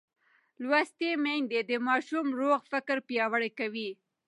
لوستې میندې د ماشوم روغ فکر پیاوړی کوي.